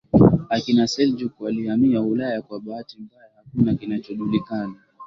akina Seljuk walihamia Ulaya Kwa bahati mbaya hakuna kinachojulikana